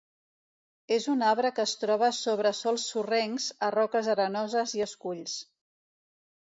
És un arbre que es troba sobre sòls sorrencs, a roques arenoses i esculls.